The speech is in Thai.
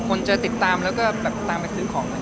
คนจะติดตามแล้วก็แบบตามไปซื้อของ